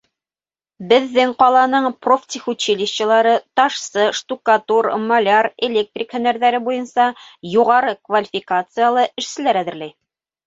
Беҙҙең ҡаланың профтехучилищелары ташсы, штукатур, маляр, электрик һөнәрҙәре буйынса юғары квалификациялы эшселәр әҙерләй.